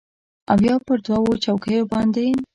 او یا پر دوو چوکیو باندې